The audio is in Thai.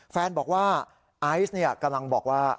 แฟนบอกว่าไอซ์กำลังบอกว่า